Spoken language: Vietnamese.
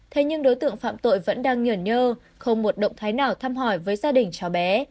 thế nhưng đối tượng phạm tội vẫn đang nhổn nhơ không một động thái nào thăm hỏi với gia đình cháu bé